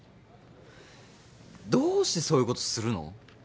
どうしてそういうことするの？